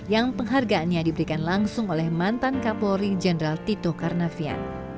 yang penghargaannya diberikan langsung oleh mantan kapolri jenderal tito karnavian